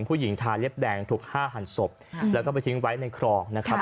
ผู้หญิงทาเล่บแดงทุกห้าหันศพและก็ไปทิ้งไว้ในคลองนะครับ